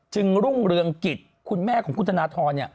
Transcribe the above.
รุ่งเรืองกิจคุณแม่ของคุณธนทร